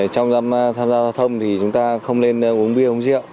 trong tham gia giao thông thì chúng ta không nên uống bia uống rượu